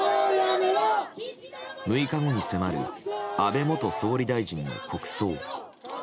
６日後に迫る安倍元総理大臣の国葬。